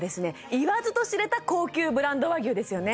言わずと知れた高級ブランド和牛ですよね